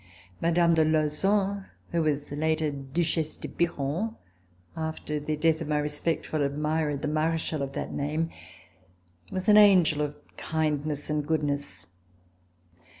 Mme. de Lauzun, who was later Duchesse de Biron, after the death of my respectful admirer, the Marechal of that name, was an angel of kindness and goodness.